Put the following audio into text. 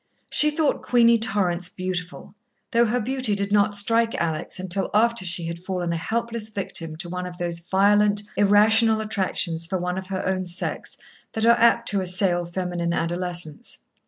She thought Queenie Torrance beautiful, though her beauty did not strike Alex until after she had fallen a helpless victim to one of those violent, irrational attractions for one of her own sex, that are apt to assail feminine adolescence.